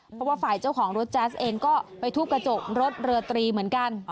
เพราะว่าฝ่ายเจ้าของรถแจ๊สเองก็ไปทุบกระจกรถเรือตรีเหมือนกัน